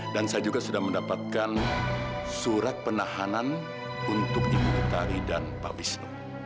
dan saya juga sudah mendapatkan surat penahanan untuk ibu utari dan pak wisnu